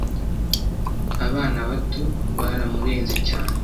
Abana bato baramurenze cyane.